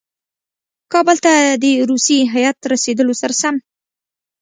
کابل ته د روسي هیات رسېدلو سره سم.